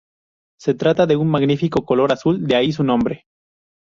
Se trata de un magnífico color azul, de ahí su nombre.